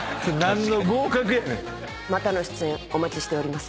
またの出演お待ちしております。